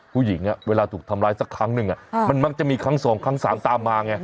เวลาถูกทำร้ายสักครั้งหนึ่งมันมักจะมีครั้งสองครั้งสามตามมาไง